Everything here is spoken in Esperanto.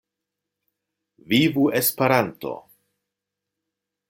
Vivu Esperanto!